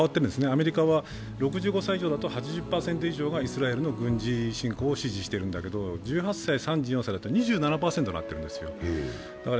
アメリカは６５歳以上だと８０％以上がイスラエルの軍事侵攻を支持してるんだけど１８歳から３４歳だと２４％になってるんですよ。